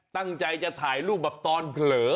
ตั้งใจจะถ่ายรูปแบบตอนเผลอ